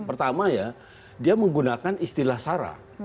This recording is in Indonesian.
pertama ya dia menggunakan istilah sara